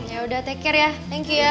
yaudah take care ya thank you ya